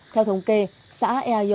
theo thống kê xã ea dầu huyện trộn quốc